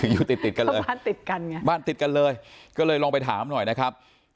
คือยู่ติดกันเลยก็เลยลองไปถามหน่อยนะครับ